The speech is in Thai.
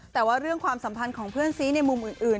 แต่ว่าเรื่องความสัมพันธ์ของเพื่อนซีในมุมอื่น